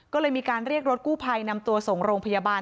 ก็เลยมีการเรียกรถกู้ภัยนำตัวส่งโรงพยาบาล